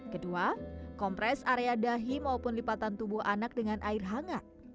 kedua kompres area dahi maupun lipatan tubuh anak dengan air hangat